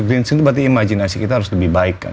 green scene berarti imajinasi kita harus lebih baik kan